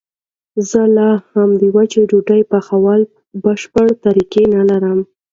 زه لا هم د وچې ډوډۍ پخولو بشپړه طریقه نه لرم.